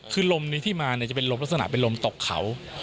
คือลมนี้ที่มาเนี่ยจะเป็นลมลักษณะเป็นลมตกเขา